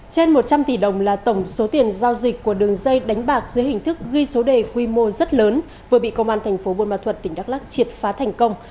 trên một trăm linh tỷ đồng là tổng số tiền giao dịch của đường dây đánh bạc dưới hình thức ghi số đề quy mô rất lớn vừa bị công an tp hcm triệt phá thành công